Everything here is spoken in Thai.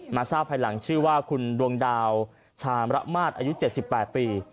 ทราบภายหลังชื่อว่าคุณดวงดาวชามระมาศอายุ๗๘ปี